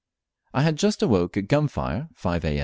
I had just awoke at gun fire (5 A.